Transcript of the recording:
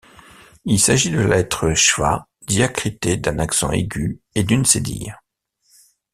Il s’agit de la lettre schwa diacritée d’un accent aigu et d’une cédille.